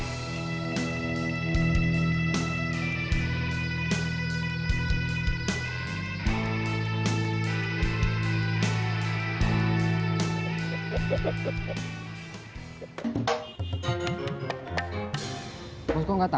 penyelidikan yang diperlukan adalah